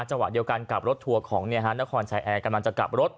จังหวะเดียวกันกับรถทัวร์ของนครชายแอร์กำลังจะกลับรถ